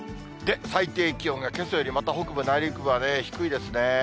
最低気温がけさよりまた北部、内陸部は低いですね。